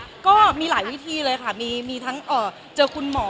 แบบโอเคก็มีหลายวิธีเลยค่ะมีมีทั้งอ่อเจอคุณหมอ